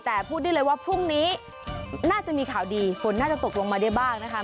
แต่พูดได้เลยว่าพรุ่งนี้น่าจะมีข่าวดีฝนน่าจะตกลงมาได้บ้างนะคะ